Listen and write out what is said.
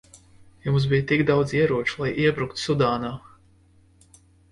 Jums bija tik daudz ieroču, lai iebruktu Sudānā.